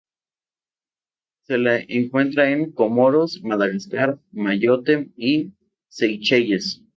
Se la encuentra en Comoros, Madagascar, Mayotte, y Seychelles.